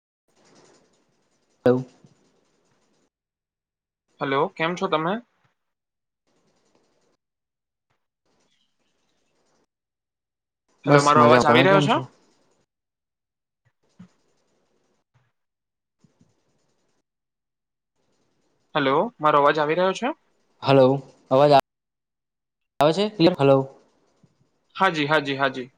[unintelligible] Hello કેમ છો તમે? હેલો બસ મારો મજા અવાજ તમે આવી રહ્યો કેમ છે? છો હેલો મારો અવાજ આવી રહ્યો છે? હલો અવાજ આ આવે છે [unintelligible] હલો. હાજી હાજી હાજી.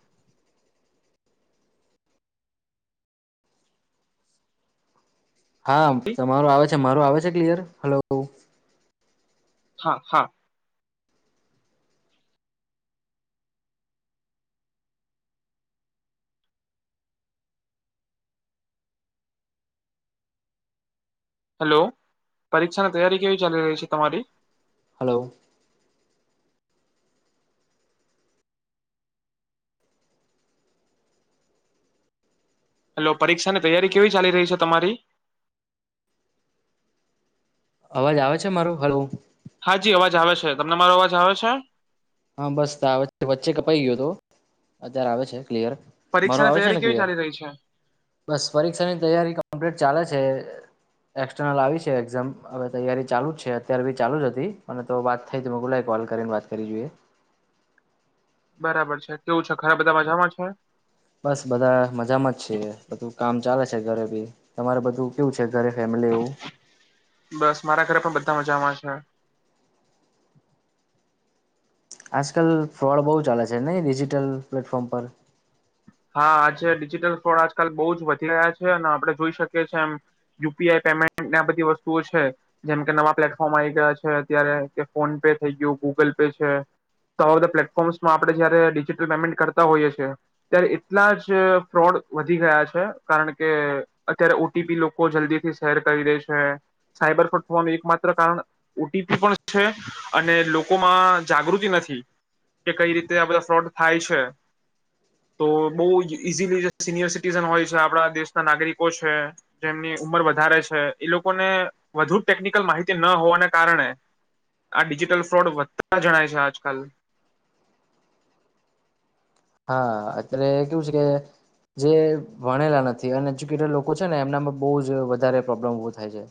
હા તમારો આવે એ મારો આવે છે ક્લિયર હલો? હા હા. હેલો પરીક્ષાની તૈયારી કેવી ચાલી રહી છે તમારી? હેલો. હેલો પરીક્ષા ની તૈયારી કેવી ચાલી રહી છે તમારી? અવાજ આવે છે મારું? હાલો. હા જી અવાજ આવે છે. તમને મારો અવાજ આવે છે? હા બસ ત આવે છે વચ્ચે કપાઈ ગયો હતો અત્યારે આવે છે ક્લિયર મારું પરીક્ષાની આવે છે તૈયારી ને કેવી ક્લિયર. ચાલી રહી છે બસ પરીક્ષાની તૈયારી કમ્પ્લીટ ચાલે છે. એક્સ્ટરનલ આવી છે એક્ઝામ હવે તૈયારી ચાલુ જ છે અત્યારે બી ચાલુ જ હતી અને તો વાત થઈ તો હું ક્વ લાય કોલ કરીને વાત કરી જોઈએ. બરાબર છે કેવું છે ઘરે બધા મજામાં છે? બસ બધા મજામાં જ છે બધું કામ ચાલે છે ઘરે બી તમારે બધું કેવું છે? ઘરે ફેમિલીઓ બસ મારા ઘરે પણ મજામાં છે. આજકાલ ફ્રોડ બહુ ચાલે છે નહી ડિજિટલ પ્લેટફોર્મ પર? હા આજે ડિજિટલ ફ્રોડ આજકાલ બહુ જ વધી રહ્યા છે અને આપણે જોઈ શકીએ એમ યુપીઆઈ પેમેન્ટને આ બધી વસ્તુઓ છે જેમ કે નવા પ્લેટફોર્મ આવી ગયા છે અત્યારે કે ફોન પે થઈ ગયું ગૂગલ પે છે તો આવા બધા પ્લેટફોર્મ્સમાં આપણેે જયારે ડિજિટલ પેમેન્ટ કરતા હોઈએ છીએ. અત્યારે એટલા જ ફ્રોડ વધી ગયા છે કારણ કે અત્યારે ઓટીપી લોકો જલ્દીથી શેર કરી દે છે. સાયબર ફ્રોડ થવાનું એક માત્ર કારણ ઓટીપી પણ છે અને લોકોમાં જાગૃતિ નથી કે કઈ રીતે આ બધા ફ્રોડ થાય છે. તો બહુ ઈઝીલી જે સિનિયર સિટીઝન હોય છે આપણા દેશના નાગરિકો છે જેમની ઉંમર વધારે છે એ લોકોને વધુ ટેકનિકલ માહિતી ન હોવાને કારણે આ ડિજિટલ ફ્રોડ વધતા જણાય છે આજકાલ. હા અત્યારે કેવું છે કે જે ભણેલા નથી અનએજ્યુકેટેડ લોકો છે ને એમનામાં બહુ જ વધારે પ્રોબ્લેમ ઉભો થાય છે.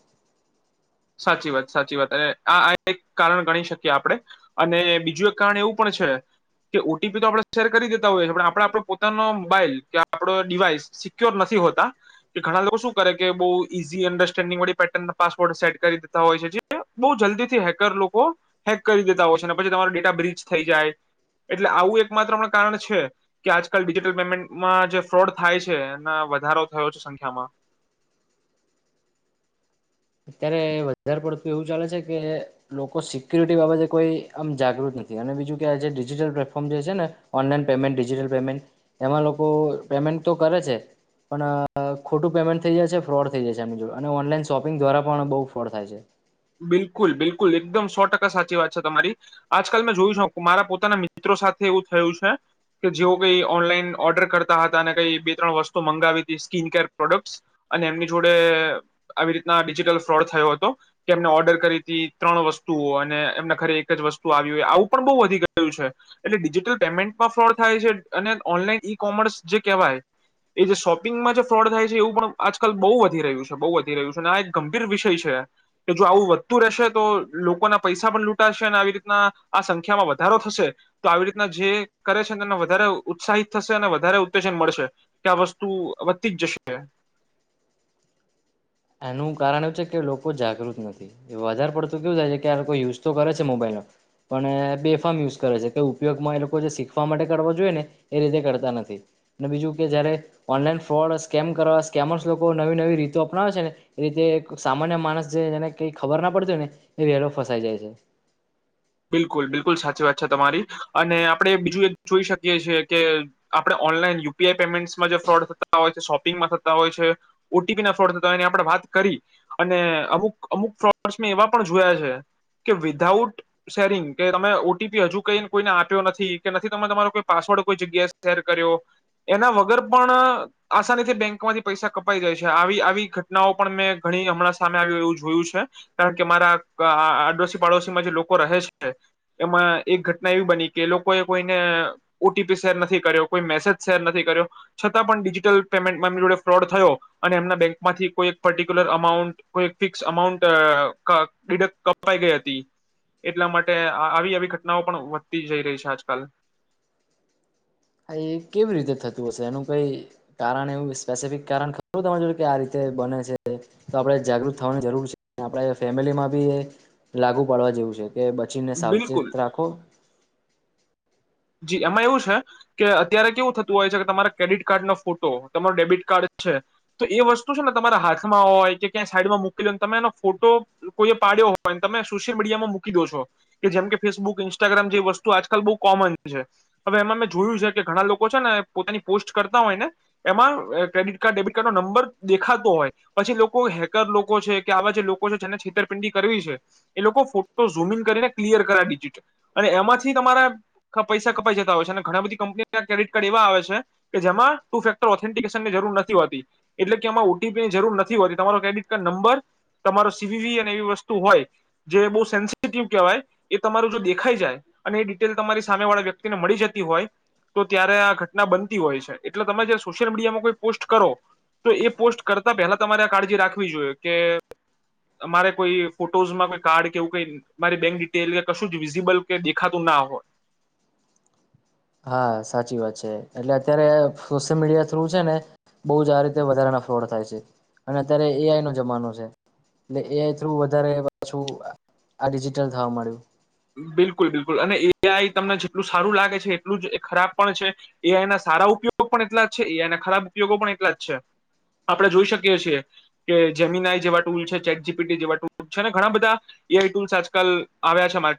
સાચી વાત સાચી વાત અને આ આ એક કારણ ગણી શકીએ આપડે અને બીજું એક કારણ એવું પણ છે કે ઓટીપી તો આપણે શેર કરી દેતા હોઈએ છે પણ આપણે આપડો પોતાનો મોબાઈલ કે આપડો ડિવાઈસ સિક્યોર નથી હોતા કે ઘણા લોકો શું કરે કે બહુ ઈઝી અન્ડરસ્ટેન્ડિંગ વાળી પેટર્ન ના પાસવર્ડ સેટ કરી દેતા હોય છે જે બહુ જલ્દી થી હેકર લોકો હેક કરી દેતા હોય છે પછી તમારો ડેટા બ્રિચ થઈ જાય એટલે આવું એક માત્ર હમણાં કારણ છે કે આજકાલ ડિજિટલ પેમેન્ટમાં જે ફ્રોડ થાય છે ના વધારો થયો છે સંખ્યામાં. અત્યારે વધારે પડતું એવું ચાલે છે કે લોકો સિક્યુરિટી બાબતે કોઈ આમ જાગૃત નથી અને બીજું કે આ જેે ડિજિટલ પ્લેટફોર્મ જે છે ને ઓનલાઈન પેમેન્ટ ડિજિટલ પેમેન્ટ એમાં લોકો પેમેન્ટ તો કરે છે પણ ખોટું પેમેન્ટ થઈ જાય છે ફ્રોડ થઈ જાય છે એમની જો અને ઓનલાઈન શોપિંગ દ્વારા પણ બહુ ફળ થાય છે બિલકુલ બિલકુલ એકદમ સો ટકા સાચી વાત છે તમારી આજકાલ મેં જોયું છું મારા પોતાના મિત્રો સાથે એવું થયું છે કે જેઓ કઈ ઓનલાઈન ઓર્ડર કરતા હતા અને કઈ બે ત્રણ વસ્તુ મંગાવી હતી સ્કીન કેર પ્રોડક્ટસ અને એમની જોડે આવી રીતના ડિજિટલ ફ્રોડ થયો હતો કે એમને ઓર્ડર કરી હતી ત્રણ વસ્તુઓ અને એમના ઘરે એક જ વસ્તુ આવી હોય આવું પણ બહુ વધી ગયું છે એટલે ડિજિટલ પેમેન્ટમાં ફ્રોડ થાય છે અને ઓનલાઈન ઈ કોમર્સ જે કહેવાય એ જે શોપિંગમાં જે ફ્રોડ થાય છે એવું પણ આજકાલ બહુ વધી રહ્યું છે બહુ વધી રહ્યું છે અને આ એક ગંભીર વિષય છે કે જો આવું વધતું રહેશે તો લોકોના પૈસા પણ લૂંટાશે અને આવી રીતના આ સંખ્યામાં વધારો થશે તો આવી રીતના જે કરે છે તેને વધારે ઉત્સાહિત થશે અને વધારે ઉત્તેજન મળશે કે આ વસ્તુ વધતી જ જશે એનું કારણ એવું છે કે લોકો જાગૃત નથી વધારે પડતું કેવું થાય છે કે આ લોકો યુઝ તો કરે છે મોબાઈલનો પણ બેફામ યુઝ કરે છે કે ઉપયોગમાં એ લોકો જે શીખવા માટે કરવા જોઈએ ને એ રીતે કરતા નથી અને બીજું કે જયારે ઓનલાઈન ફ્રોડ સ્કેમ કરવા સ્કેમર્સ લોકો નવી નવી રીતો અપનાવે છે ને એ રીતે સામાન્ય માણસ જે એને કઈ ખબર ના પડતી હોય ને એ વેલો ફસાઈ જાય છે બિલકુલ બિલકુલ સાચી વાત છે તમારી અને આપણે બીજું એ જોઈ શકીએ છીએ કે આપણે ઓનલાઈન યુપીઆઈ પેમેન્ટમાં જે ફ્રોડ થતા હોય છે શોપિંગમાં થતા હોય છે ઓટીપીના ફ્રોડ થતા હોય આપણે વાત કરી અને અમુક અમુક ફ્રોડ્સ મેં એવા પણ જોયા છે કે વિધઉટ શેરિંગ કે તમે ઓટીપી હજુ કઈને કોઈને આપ્યો નથી કે નથી તમે તમારો કોઈ પાસવર્ડ કોઈ જગ્યાએ શેર કર્યો એના વગર પણ આસાનીથી બેંક માંથી પૈસા કપાઈ જાય છે આવી આવી ઘટનાઓ પણ મેં ઘણી હમણાં સામે આવ્યું એવું જોયું છે કારણ કે મારા આડોશી પાડોશીમાં જે લોકો લોકો રહે છે, એમાં એક ઘટના એવી બની કે લોકોએ કોઈને ઓટીપી શેર નથી કર્યો કોઈ મેસેજ શેર નથી કર્યો છતાં પણ ડિજિટલ પેમેન્ટમાં એમની જોડે ફ્રોડ થયો અને એમના બેંકમાંથી કોઈ પર્ટિક્યુલર અમાઉન્ટ કોઈ ફિક્સ અમાઉન્ટ વિગત કપાઈ ગઈ હતી એટલા માટે આવી આવી ઘટનાઓ પણ વધતી જઈ રહી છે, આજકાલ હા, એ કેવી રીતે થતું હશે એનું કઈ કારણ એવું સ્પેસિફિક કારણ ખબર ત જોડ કે આ રીતે બને છે તો આપડે, જાગૃત થવાની જરૂર છે, આપણે ફેમિલીમાં બી એ લાગુ પાડવા જેવું છે કે બચીને બિલકુલ સાવચેત રાખો જી એમાં એવું છે, કે અત્યારે કેવું થતું હોય છે, કે તમારા ક્રેડિટ કાર્ડનો ફોટો તમારો ડેબિટ કાર્ડ છે, તો એ વસ્તુ છે ને તમારા હાથમાં હોય કે ક્યાં સાઈડમાં મૂકલને તમે એનો ફોટો કોઈએ પાડ્યો હોયને તમે સોશિયલ મીડિયા માં મૂકી દો છો કે જેમ કે ફેસબુક ઇન્સ્ટાગ્રામ જે વસ્તુ આજકાલ બહુ કોમન છે હવે એમાં મેં જોયું છે કે ઘણા લોકો છે ને પોતાની પોસ્ટ કરતા હોય ને એમાં ક્રેડિટ કાર્ડ, ડેબિટ કાર્ડ નો નંબર દેખાતો હોય પછી લોકો હેકર લોકો છે, કે આવા જે લોકો છે, જેને છેતરપિંડી કરવી છે, એ લોકો ફોટો ઝુમઇન કરીને ક્લિયર કરાવ દીધ છે અને એમાંથી તમારા પૈસા કપાઈ જતા હોય છે, ને ઘણા બધી કંપની ક્રેડિટ કાર્ડ એવા આવે છે કે જેમાં ટુ ફેક્ટર ઓથેન્ટિકેશનની જરૂર નથી હોતી એટલે કે એમાં ઓટીપી ની જરૂર નથી હોતી તમારો ક્રેડિટ કાર્ડ નંબર, તમારો સીવીવી અને એવી વસ્તુ હોય, જે બહુ સેન્સટીવ કહેવાય એ તમારું જો દેખાઈ જાય અને એ ડિટેલ તમારી સામે વાળા વ્યક્તિને મળી જતી હોય તો ત્યારે આ ઘટના બનતી હોય છે, એટલે ગમે ત્યારે સોશિયલ મીડિયામાં કોઈ પોસ્ટ કરો તો એ પોસ્ટ કરતા પહેલા તમારે આ કાળજી રાખવી જોઈએ કે મારે કોઈ ફોટોઝમાં કો કાર્ડ કેવું કઈ મારી બેંક ડિટેલ કે કશું જ વિઝિબલ કે દેખાતું ના હોય હા, સાચી વાત છે એટલે અત્યારે સોશિયલ મીડિયા થ્રુ છે ને બહુ જ આ રીતે વધારેાના ફ્રોડ થાય છે અને અત્યારે એઆઈ નો જમાનો છે એટલે એઆઈ થ્રુ વધારે પાછું આ ડિજિટલ થવા માંડ્યું બિલકુલ, બિલકુલ, અને એઆઈ તમને જેટલું સારું લાગે છે, એટલું જ ખરાબ પણ છે, એઆઈ ના સારા ઉપયોગ પણ એટલા જ છે, એઆઈ ના ખરાબ ઉપયોગો પણ એટલા જ છે, આપણે જોઈ શકીએ છીએ કે જેમીન આઈ જેવા ટૂલ છે, ચેટ જીપીટી જેવા ટૂલ છે, ને ઘણા બધા એઆઈ ટૂલ્સ આજકાલ આવ્યા છે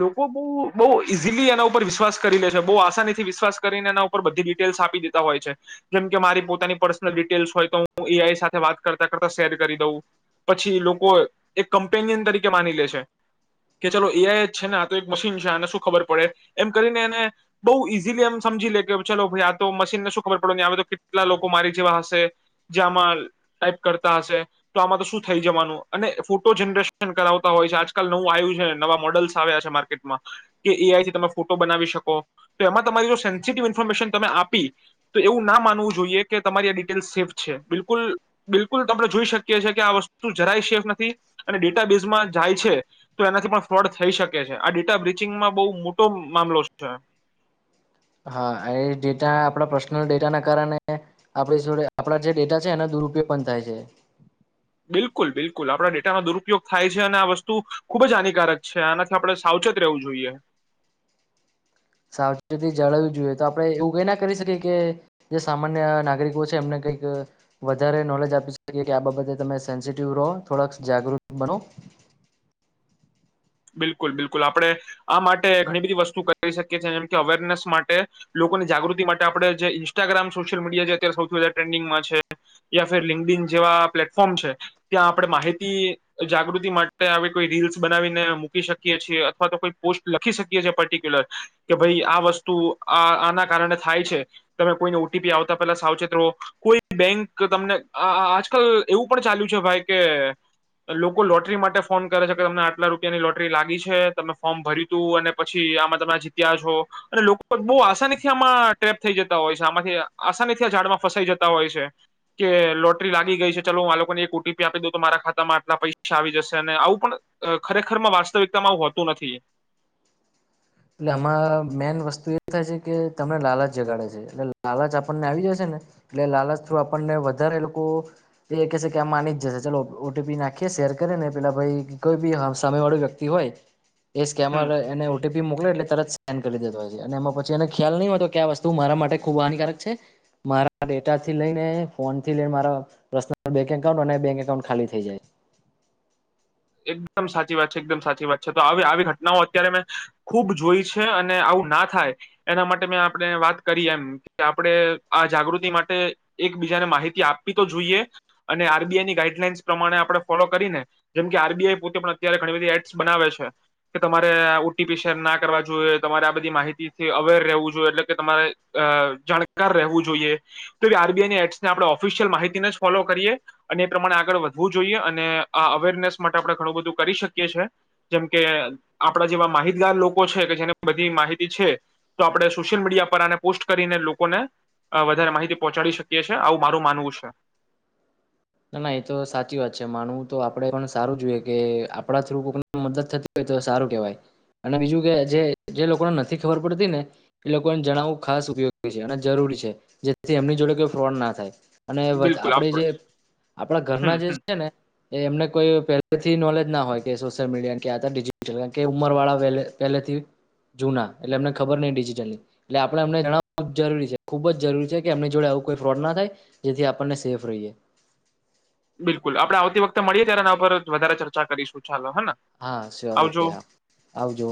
લોકો બહુ ઈઝીલી એના ઉપર વિશ્વાસ કરી લે છે, બહુ આસાનીથી વિશ્વાસ કરીને એના ઉપર બધી ડિટેલ્સ આપી દેતા હોય છે, જેમકે મારી પોતાની પર્સનલ ડિટેલ્સ હોય તો હું એઆઈ સાથે વાત કરતા કરતા શેર કરી દઉં પછી લોકો એક કમ્પેનિયન તરીકે માની લે છે કે ચલો એઆઈએ છે ને આ તો એક મશીન છે, આને શું ખબર પડે એમ કરીને એને બહુ ઈઝીલી એમ સમજી લે કે ચલો ભઈઆ તો મશીનને શું ખબર પડે આવે તો કેટલા લોકો મારી જેવા હશે જે આમાં ટાઈપ કરતા હશે તો, આમાં તો શું થઈ જવાનું અને ફોટો જનરેશન કરાવતા હોય છે આજ આકાલ નવું આયું છે, નવા મોડલ્સ આવ્યા છે માર્કેટમાં કે એઆઈથી તમે ફોટો બનાવી શકો, તો એમાં તમારી જો સેન્સિટિવ ઇન્ફોર્મેશન તમે આપી, તો એવું ના માનવું જોઈએ કે તમારી આ ડિટેલ સેફ છે બિલકુલ બિલકુલ તણે જોઈ શકીએી કે આ વસ્તુ જરાય સેફ નથી અને ડેટા બેેઝમાં જાય છે તો એનાથી પણ ફ્રોડ થઈ શકે છે, આ ડેટા બ્રિચિંગમાં બહુ મોટો મામલો છે હા એ ડેટા આપડા પર્સનલ ડેટા ના કારણે, આપણે આપડા જે ડેટા છે એનો દુરુપયોગ પણ થાય છે. બિલકુલ બિલકુલ આપણા ડેટાનો દુરુપયોગ થાય છે અને આ વસ્તુ, ખૂબ જ હાનિકારક છે આનાથી આપણે સાવચેત રહેવું જોઈએ. સાવચેતી જાળવી જોઈએ તો આપણે એવું કઈ ના કરી શકીએ કે, જે સામાન્ય નાગરિકો છે એમને કંઈક, વધારે નોલેજ આપી શકીએ કે આ બાબતે તમે સેન્સિટિવ રહો થોડાક જાગૃત બનો. બિલકુલ બિલકુલ આપણે, આ માટે ઘણી બધી વસ્તુ કરી શકીએ છીએ એ જેમ કે અવેરનેસ માટે લોકોની જાગૃતિ માટે આપણે જે ઇન્સ્ટાગ્રામ સોશિયલ મીડિયા જે અત્યારે સૌથી વધા ટ્રેન્ડિંગમાં છે, યા ફર લિંકડ ઇન જેવા પ્લેટફોર્મ છે, ત્યાં આપણે માહિતી જાગૃતિ માટે આવી કોઈ રીલ્સ બનાવીને મૂકી શકીએ છીએ અથવા તો કોઈ પોસ્ટ લખી શકી છી પર્ટિક્યુલર, કે ભાઈ આ વસ્તુ આ આના કારણે થાય છે, તમે કોઈને ઓટીપી આવતા પેલા સાવચેતો, કોઈ બેંક તમને આજકાલ એવું પણ ચાલ્યું છે ભાઈ કે, લોકો લોટરી માટે ફોન કરે છે કે તમને આટલા રૂપ ની લોટરી લાગી છે તમે ફોર્મ ભર્યું તું અને પછી આમાં તમે જીત્યા છો, અને લોકો બહુ આસાનીથી આમાં ટ્રેપ થઈ જતા હોય છે આમાંથી આસાનીથી આ ઝાડમાં ફસાઈ જતા હોય છે, કે લોટરી લાગી ગઈ છે ચાલ હું આ લોકોને એક ઓ ટી પી આપી દઉં તો મારા ખાતામાં આટલા પૈસા આવી જશે અને આવું પણ ખરેખર વાસ્તવિકતામાં આવું હોતું નથી. એટલે આમાં મેન વસ્તુ એ થાય છે કે તમને લાલચ જગાડે છે એટલે લાલચ આપણને આવી જશે ને, એટલે લાલચ થ્રુ આપણને વધારે લોકો, એ કહે છે કે આ માની જ જશે ચાલ ઓ ટી પી નાખીએ શેર કરીે ને પેલા ભાઈ કોઈ બી સાય વાળો વ્યક્તિ હોય. એ હમ સ્કેમર એને ઓ એટલે તરત સન કરી દેધ હોય છે અને એમાં પછી એને ખ્યાલ નહી હોતો કે આ વસ્તુ મારા માટે ખુબ હાનિકારક છે, મારા ડેટા થી લઈને ફોન થી લઈને મારા પર્નલ બેક એકાઉન્ટ અને બેક એકાઉન્ટ ખાલી થઇ જાય. એકદમ સાચી વાત છે એકદમ સાચી વાત છે તો આવી આવી ઘટનાઓ અત્યારે મેં, ખુબ જોઈ છે અને આવું ના થાય, એના માટે મેં આપણે વાત કરી એમ કે આપણે આ જાગૃતિ માટે એકબીજાને માહિતી આપવી તો જોઈએ, અને આર બી આઈની ગાઈડલાઈન્સ પ્રમાણે આપણે ફોલો કરીને જેમ કે આર બી આઈ પોતે પણ અત્યારે ઘણી બધી એપ્સ બનાવે છે, કે તમારે ઓટીપી શેર ના કરવા જોઈએ તમારે આ બધી માહિતીથી અવેર રહેવું જોઈએ એટલે કે તમારે જાણકાર રહેવું જોઈએ, તો આર બી આઈની એટ્સને આપણે ઓફિશિયલ માહિતીને જ ફોલો કરીએ અને એ પ્રમાણે આગળ વધવું જોઈએ, અને આ અવેરનેસ માટે આપણે ઘણું બધું કરી શકીએ છે, જેમ કે આપણા જેવા માહિતગાર લોકો છે કે જેને બધી માહિતી છે, તો આપણે સોશિયલ મીડિયા પર આને પોસ્ટ કરીને લોકોને વધારે માહિતી પહોંચાડી શકીએ છેએ આવું મારું માનવું છે. ના ના એ તો સાચી વાત છે માનવું તો આપણે પણ સારું જોઈએ કે આપડા થ્રુ કોક મદદ થતી હોય તો સારું કેહેવાય, અને બીજું કે જે લોકોને નથી ખબર પડતી ને, એ લોકોને જણાવવું ખાસ ઉપયોગી છે અને જરૂરી છે, જેથી એમની જોડે કોઈ ફ્રોડ ના થાય. અને બિલકુલ આપણે આપડે જે આપણા હમ ઘરના જે હમ છે ને, એ એમને કોઈ પેલા થી નોલેજ ના હોય કે સોશિયલ મીડિયા કે આ ડિજટલ કારણ કે ઉંમરવાળા પહેલેથી, જૂના એટલે એમને ખબર નહ ડિજિટલી, એટલે આપણે એમને જણાવ જરૂરી છે ખુબ જ જરૂરી છે કે એમની જોડે આવું કોઈ ફ્રોડ ના થાય, જેથી આપણને સેફ રહીએ. બિલકુલ આપડણે આવતી વખતે મળીએ ત્યારે એના પર વધારે ચર્ચા કરીશું. ચાલો હેને હા સ્યોર આવજો ઓકે હા આવજો.